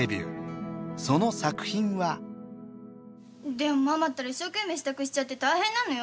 でもママったら一生懸命支度しちゃって大変なのよ。